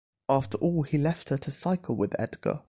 After all he left her to cycle with Edgar.